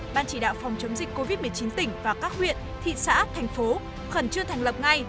ban chỉ đạo phòng chống dịch covid một mươi chín tỉnh và các huyện thị xã thành phố khẩn trương thành lập ngay